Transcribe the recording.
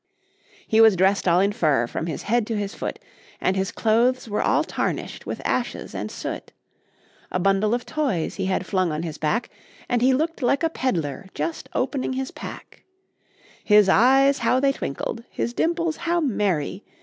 He was dressed all in fur from his head to his foot, And his clothes were all tarnished with ashes and soot; A bundle of toys he had flung on his back, And he looked like a peddler just opening his pack; His eyes how they twinkled! his dimples how merry!